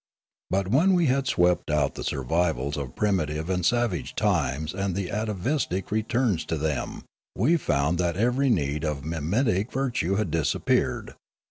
But when we had swept out the survivals of primitive and savage times and the atavistic returns to them, we found that every need of mimetic virtue had disappeared.